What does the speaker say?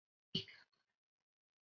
后来的凯旋仪式变得越来越复杂。